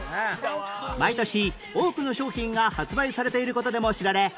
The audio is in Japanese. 毎年多くの商品が発売されている事でも知られ